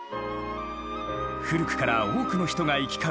古くから多くの人が行き交う